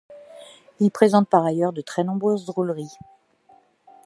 Il présente par ailleurs de très nombreuses drôleries.